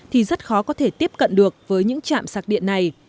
thì rất khó có thể tiếp cận được với những chạm sạc điện này